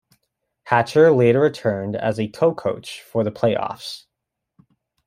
Hatcher later returned as a "co-coach" for the playoffs.